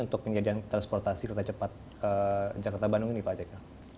untuk penyediaan transportasi kereta cepat jakarta bandung ini pak jk